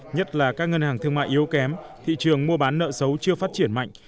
nhất là các ngân hàng thương mại yếu kém thị trường mua bán nợ xấu chưa phát triển mạnh